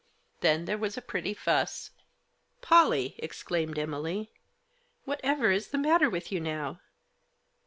Then there was a pretty fuss. "Polly!" exclaimed Emily. "Whatever is the matter with you now